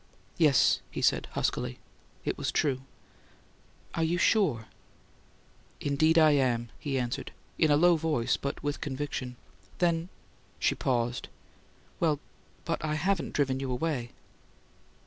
"Yes," he said, huskily. "It was true." "Are you sure?" "Indeed I am," he answered in a low voice, but with conviction. "Then " She paused. "Well but I haven't driven you away."